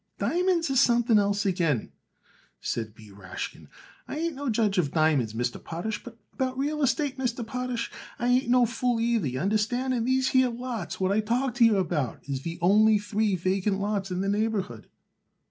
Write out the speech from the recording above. "Diamonds is something else again," said B. Rashkin. "I ain't no judge of diamonds, Mr. Potash, but about real estate, Mr. Potash, I ain't no fool neither, y'understand, and these here three lots what I talk to you about is the only three vacant lots in the neighborhood."